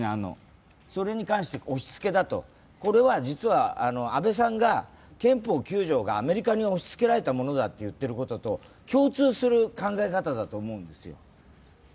それに関して、押しつけだと、これは実は安倍さんが憲法９条がアメリカに押しつけられたものだと言っていることと共通する考え方だと思うんですよ。